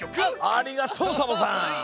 ありがとうサボさん。